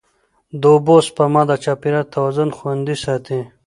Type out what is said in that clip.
د اوبو سپما د چاپېریال توازن خوندي ساتي.